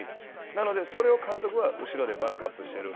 なので、それを監督は後ろでバックアップしてる。